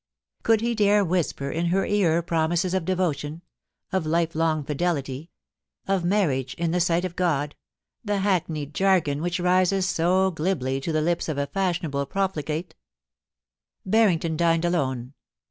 . Could he dare whisper in her ear promises of devotion, (rf lifelong fidelity — of marriage in the sight of God — the hackneyed jargon which rises so glibly to the lips of a fashionable profligate P Barrington dined alone.